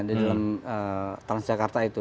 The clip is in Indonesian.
di dalam transjakarta itu